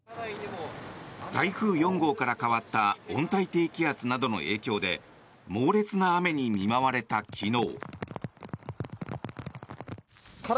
台風４号から変わった温帯低気圧などの影響で猛烈な雨に見舞われた昨日。